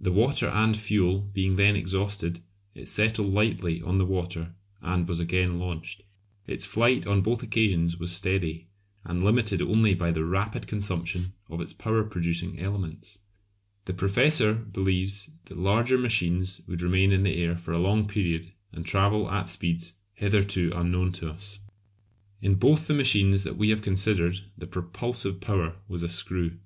The water and fuel being then exhausted it settled lightly on the water and was again launched. Its flight on both occasions was steady, and limited only by the rapid consumption of its power producing elements. The Professor believes that larger machines would remain in the air for a long period and travel at speeds hitherto unknown to us. In both the machines that we have considered the propulsive power was a screw.